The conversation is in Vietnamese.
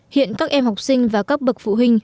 hiện các em học sinh và các bậc phụ huynh